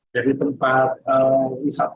jadi tempat wisata